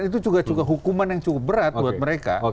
itu juga hukuman yang cukup berat buat mereka